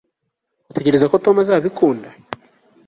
utekereza ko tom azabikunda